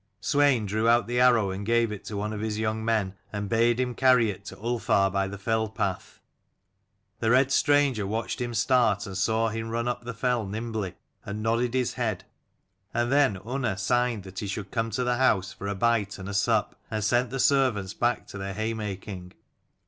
Swein drew out the arrow, and gave it to one of his young men, and bade him carry it to Ulfar by the fell path. The red stranger watched him start, and saw him run up the fell nimbly, and nodded his head: and then Unna signed that he should come to the house for a bite and a sup, and sent the servants back to their haymaking.